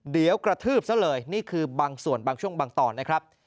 เดี๋ยวกระทืบซะเลยนี่คือบางส่วนบางช่วงบางตอนนะครับ